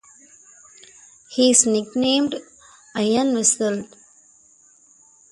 He is nicknamed "Iron Whistle".